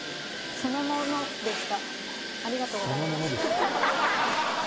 そのものでした。